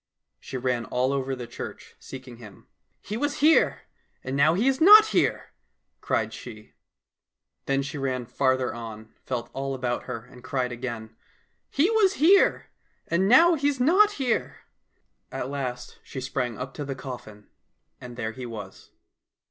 She ran all over the church seeking him. " He was here — and now he is not here !" cried she. Then she ran farther on, felt all about her, and cried again, '' He was here — and now he's not here !" At last she sprang up to the coffin, and there he was.